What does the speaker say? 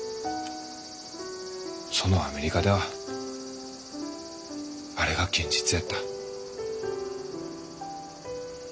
そのアメリカではあれが現実やった。